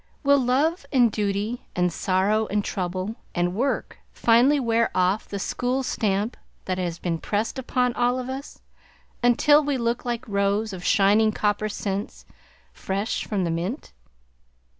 Will love and duty and sorrow and trouble and work finally wear off the "school stamp" that has been pressed upon all of us until we look like rows of shining copper cents fresh from the mint?